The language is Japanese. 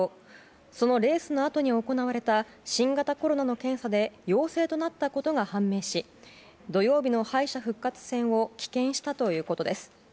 そのレースのあとに行われた新型コロナの検査で陽性となったことが判明し土曜日の敗者復活戦を棄権したということです。